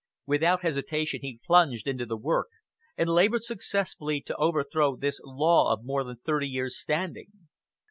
Without hesitation he plunged into the work and labored successfully to overthrow this law of more than thirty years' standing.